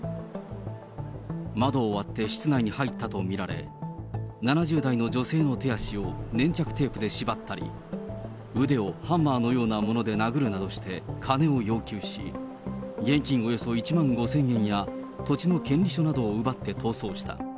窓を割って室内に入ったと見られ、７０代の女性の手足を粘着テープで縛ったり、腕をハンマーのようなもので殴るなどして、金を要求し、現金およそ１万５０００円や土地の権利書などを奪って逃走した。